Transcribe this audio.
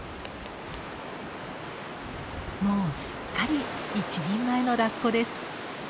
もうすっかり一人前のラッコです。